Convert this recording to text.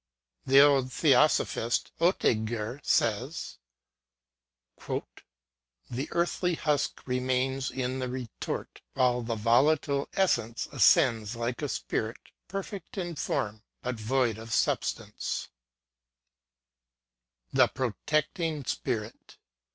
The old Theosophist, Oetinger, says, " The earthly husk remains in the retort, whilst the vola tile essence ascends, like a spirit, perfect in form, but void of substance." 78 THE SEERESS OF PREVORST. THE PROTECTING SPIRIT.